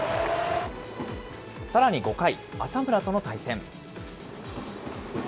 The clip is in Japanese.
さらに５回、浅村との対戦。